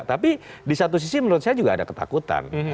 tapi di satu sisi menurut saya juga ada ketakutan